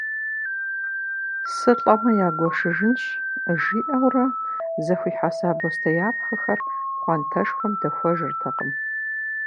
«Сылӏэмэ, ягуэшыжынщ» жиӏэурэ, зэхуихьэса бостеяпхъэхэр пхъуантэшхуэм дэхуэжыртэкъым.